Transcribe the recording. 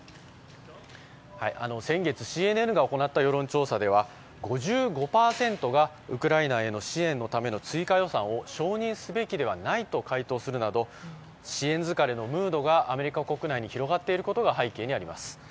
先月、ＣＮＮが行った世論調査では５５％がウクライナへの支援のための追加予算を承認すべきではないと回答するなど支援疲れのムードがアメリカ国内に広がっていることが背景にあります。